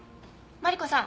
マリコさん